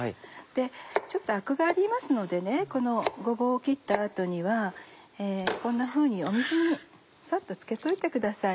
ちょっとアクがありますのでこのごぼうを切った後にはこんなふうに水にサッとつけといてください。